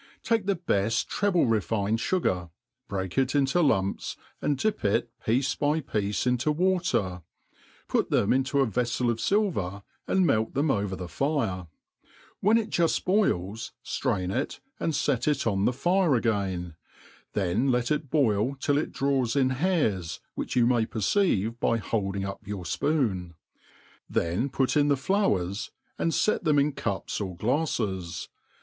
TAKE the btft trcble refincd fugar^ break k into Iximps and 6\ip it piece by piece into water, put tbem into a vcffcl of filver, and mck them over the. fire ; when it^juft boib, ilrain .it, and fet it on the fire again, and let it boil till it draws in hairs, which you may perceive by holding ,up your fpoon • then put in the flowers, and fet them in ctips or glafies.